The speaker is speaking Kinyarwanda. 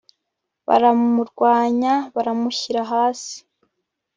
baramurwanya baramushyira hasi